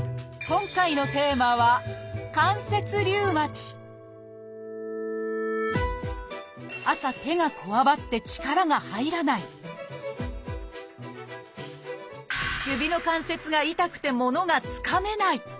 今回のテーマは朝手がこわばって力が入らない指の関節が痛くて物がつかめない。